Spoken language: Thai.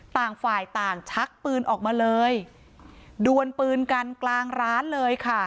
ต่างฝ่ายต่างชักปืนออกมาเลยดวนปืนกันกลางร้านเลยค่ะ